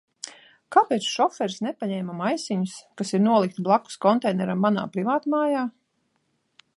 Kāpēc šoferis nepaņēma maisiņus, kas ir nolikti blakus konteineram manā privātmājā?